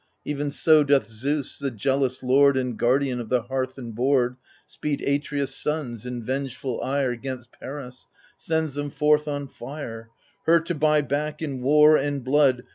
Even so doth Zeus, the jealous lord And guardian of the hearth and board, Speed Atreus' sons, in vengeful ire, 'Gainst Paris — sends them forth on fire, Her to buy back, in war and blood.